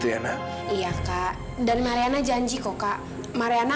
entah seperti mana